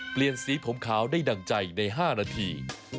เปลี่ยนสีผมขาวได้ดั่งใจใน๕นาที